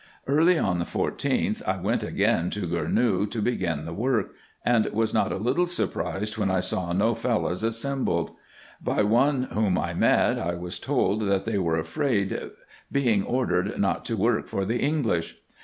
Early on the 14th, I went again to Gournou to begin the work, and was not a little surprised when I saw no Fellahs assembled. By one whom I met, I was told, that they were afraid, being ordered not to work for the English.